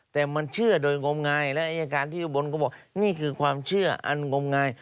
แต่มันเชื่อโดยงมงายและอายการที่อุบลก็บอกนี่คือความเชื่ออันงมงาย